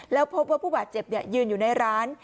แล้วพบว่าผู้บาดเจ็บยืนอยู่ในร้าน